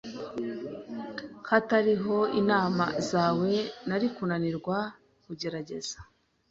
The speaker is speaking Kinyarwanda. Hatariho inama zawe, nari kunanirwa kugerageza.